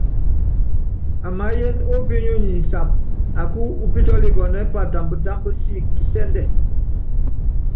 Amaáyɛ́n ópḭo̰nyonyi insab aká upítɔ́likɔ́nɛ́ patamb támb sik kisɛ́ndɛ.